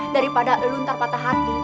daripada lo ntar patah hati